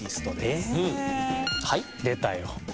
はいでたよ。